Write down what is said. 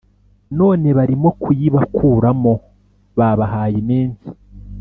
none barimo kuyibakuramo Babahaye iminsi